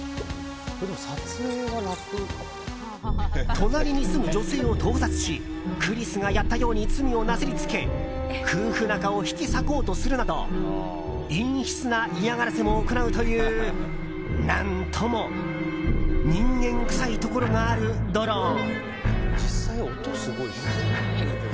隣に住む女性を盗撮しクリスがやったように罪をなすり付け夫婦仲を引き裂こうとするなど陰湿な嫌がらせも行うという何とも人間臭いところがあるドローン。